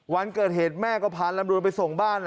วันเกิดเหตุแม่ก็พาลำรวยไปส่งบ้าน